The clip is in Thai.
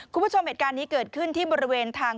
คุณผู้ชมเหตุการณ์นี้เกิดขึ้นที่บริเวณทาง